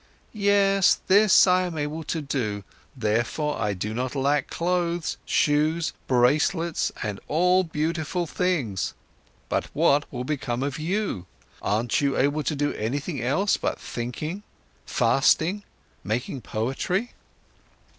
"Yes, this I am able to do, therefore I do not lack clothes, shoes, bracelets, and all beautiful things. But what will become of you? Aren't you able to do anything else but thinking, fasting, making poetry?"